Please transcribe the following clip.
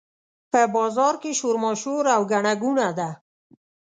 په بازار کې شورماشور او ګڼه ګوڼه ده.